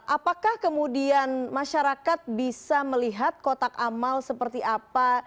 apakah kemudian masyarakat bisa melihat kotak amal seperti apa